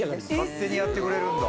勝手にやってくれるんだ。